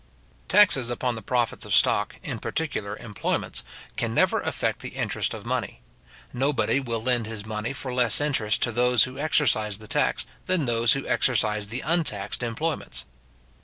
Taxes upon the profits of stock, in particular employments, can never affect the interest of money. Nobody will lend his money for less interest to those who exercise the taxed, than to those who exercise the untaxed employments.